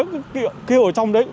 cứ kêu ở trong đấy